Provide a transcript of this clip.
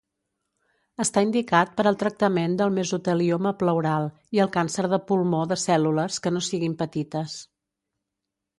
Està indicat per al tractament del mesotelioma pleural i el càncer de pulmó de cèl·lules que no siguin petites.